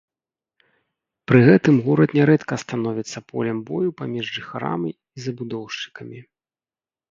Пры гэтым горад нярэдка становіцца полем бою паміж жыхарамі і забудоўшчыкамі.